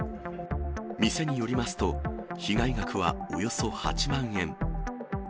店によりますと、被害額はおよそ８万円。